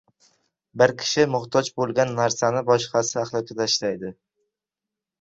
• Bir kishi muhtoj bo‘lgan narsani boshqasi axlatga tashlaydi.